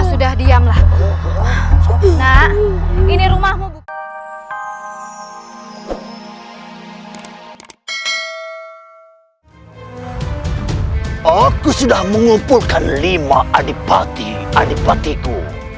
sudah diamlah nah ini rumahmu aku sudah mengumpulkan lima adik batik adik batiku